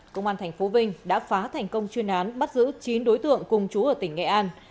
công an tp vinh đã phá thành công chuyên án bắt giữ chín đối tượng cùng chú ở tỉnh nghệ an